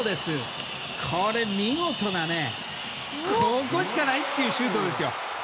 これ、見事なここしかないというシュートですよ。